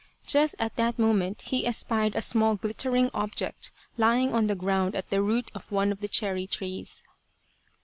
Just at that moment he espied a small glittering object lying on the ground at the root of one of the cherry trees.